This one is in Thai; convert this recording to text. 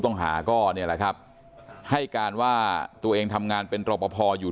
ต้องหาก็เนี่ยแหละครับให้การว่าตัวเองทำงานเป็นรอปภอยู่